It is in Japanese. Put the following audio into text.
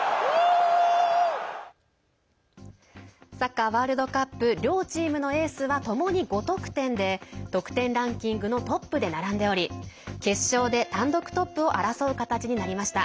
サッカーワールドカップ両チームのエースはともに５得点で得点ランキングのトップで並んでおり決勝で単独トップを争う形になりました。